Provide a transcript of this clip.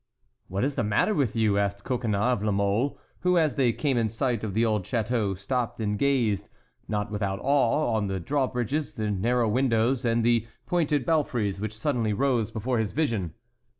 "What is the matter with you?" asked Coconnas of La Mole, who, as they came in sight of the old château, stopped and gazed, not without awe, on the drawbridges, the narrow windows, and the pointed belfries, which suddenly rose before his vision.